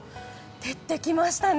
照ってきましたね。